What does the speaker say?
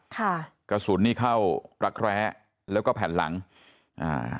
ค่ะกระสุนนี่เข้ารักแร้แล้วก็แผ่นหลังอ่า